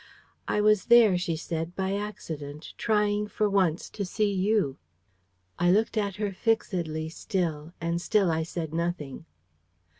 "I was there," she said, "by accident, trying for once to see you." I looked at her fixedly still, and still I said nothing.